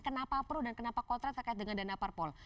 kenapa pro dan kenapa kontra terkait dengan dana parpol